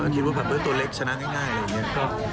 คิดว่าแบบตัวเล็กชนะง่ายอะไรอย่างนี้